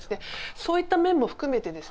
そういった面も含めてですね